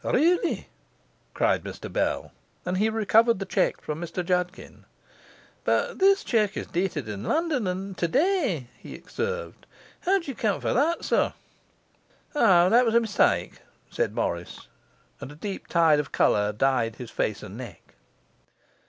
'Really!' cried Mr Bell, and he recovered the cheque from Mr Judkin. 'But this cheque is dated in London, and today,' he observed. 'How d'ye account for that, sir?' 'O, that was a mistake,' said Morris, and a deep tide of colour dyed his face and neck.